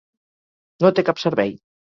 No té cap servei.